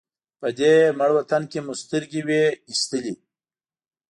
په دې مړ وطن کې مو سترګې وې وېستلې.